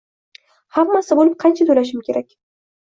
Hammasi bo’lib qancha to'lashim kerak?